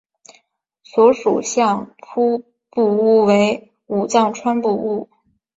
所属相扑部屋为武藏川部屋。